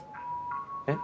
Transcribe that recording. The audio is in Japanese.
えっ？